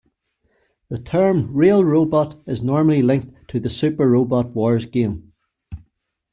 The term "real robot" is normally linked to the "Super Robot Wars" game.